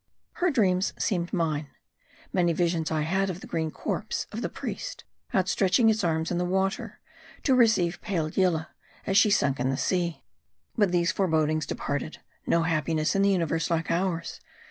Her dreams seemed mine. Many visions I had of the green corse of the priest, outstretching its arms in the water, to receive pale Yillah, as she sunk in the sea. But these forebodings departed, no happiness in the uni verse like ours.